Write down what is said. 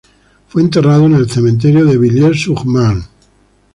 Fue enterrado en el Cementerio de Villiers-sur-Marne.